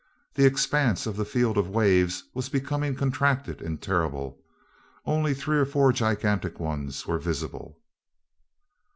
The expanse of the field of waves was becoming contracted and terrible; only three or four gigantic ones were visible.